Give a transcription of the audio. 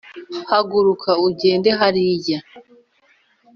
haguruka ugende hariya